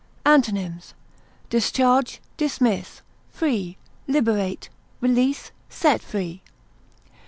Antonyms: discharge, dismiss, free, liberate, release, set free.